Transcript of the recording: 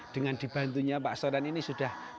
dengan dibantunya pak soiran ini sejujurnya anak anaknya